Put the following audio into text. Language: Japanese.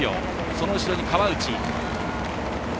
その後ろに川内。